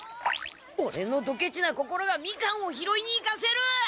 オレのドケチな心がみかんをひろいに行かせる！